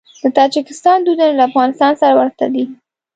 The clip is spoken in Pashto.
د تاجکستان دودونه له افغانستان سره ورته دي.